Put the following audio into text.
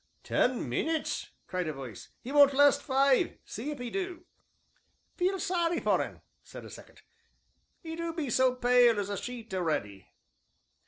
"Ten minutes!" cried a voice; "'e won't last five see if 'e do." "Feel sorry for un," said a second, "'e do be so pale as a sheet a'ready."